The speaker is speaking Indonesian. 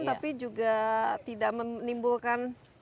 tapi juga tidak menimbulkan